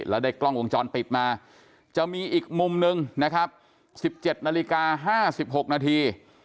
แล้วได้กล้องวงจรปิดมาจะมีอีกมุมนึงนะครับ๑๗นาฬิกา๕๖นาที